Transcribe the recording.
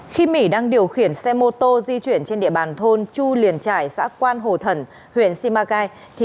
khi mỉ đang điều khiển xe mô tô di chuyển trên địa bàn thôn chu liền trải xã quan hồ thần huyện simacai